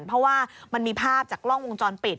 เพราะมีภาพย์มาจากกร่องกูงจรปิด